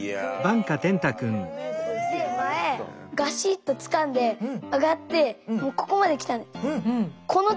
前ガシッとつかんで上がってここまで来たの。